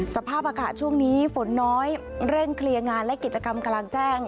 สภาพอากาศช่วงนี้ฝนน้อยเร่งเคลียร์งานและกิจกรรมกลางแจ้ง